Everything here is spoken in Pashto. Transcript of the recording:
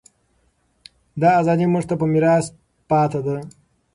دا ازادي موږ ته په میراث پاتې ده.